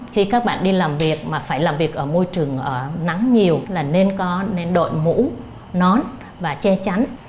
khi các bạn đi làm việc mà phải làm việc ở môi trường nắng nhiều là nên đổi mũ nón và che chánh